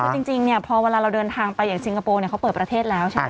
คือจริงเนี่ยพอเวลาเราเดินทางไปอย่างสิงคโปร์เขาเปิดประเทศแล้วใช่ไหม